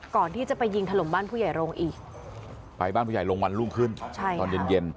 ก่อนที่จะไปยิงถล่มบ้านผู้ใหญ่โรงอีกไปบ้านผู้ใหญ่ลงวันรุ่งขึ้นตอนเย็นเย็น